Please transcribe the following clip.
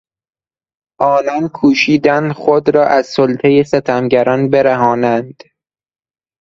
آنان کوشیدند خود را از سلطهی ستمگران برهانند.